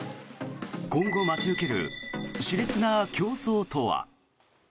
今後待ち受ける熾烈な競争とは。